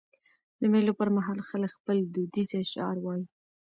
د مېلو پر مهال خلک خپل دودیز اشعار وايي.